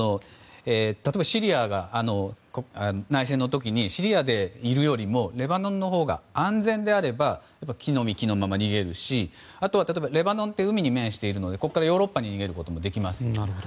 例えばシリアが内戦の時にシリアにいるよりもレバノンのほうが安全なら着の身着のまま逃げるしあとはレバノンは海に面しているのでここからヨーロッパに逃げることもできます。